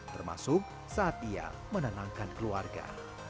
termasuk saat ia menenangkan keluarga